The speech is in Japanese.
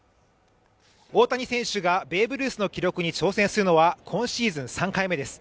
大谷選手がベーブルースの記録に挑戦するのは今シーズン３回目です